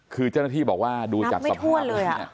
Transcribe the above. คือเจ้าหน้าที่บอกว่าดูจากสภาพนับไม่ทั่วเลยอะ